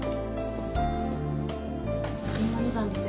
電話２番です。